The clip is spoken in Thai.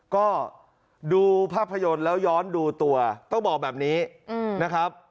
ก็ดูภาพยนตร์แล้วย้อนดูตัวต้องบอกแบบนี้นะครับ